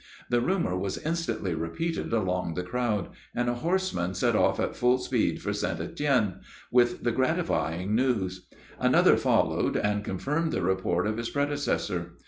The rumor was instantly repeated along the crowd, and a horseman set off at full speed for St. Etienne, with the gratifying news; another followed, and confirmed the report of his predecessor.